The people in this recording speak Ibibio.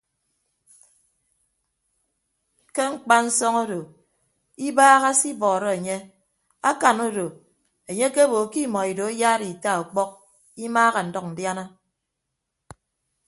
Ke mkpansọñ odo ibaaha se ibọọrọ enye akan odo enye akebo ke imọ ido ayaara ita ọkpọk imaaha ndʌñ ndiana.